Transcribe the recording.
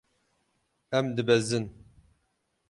Em dibezin.